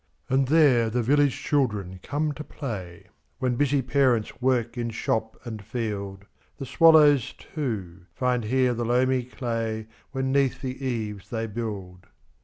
And there the village children come to play, When busy parents work in shop and field. The swallows, too, find there the loamy clayWhen 'neath the eaves they build.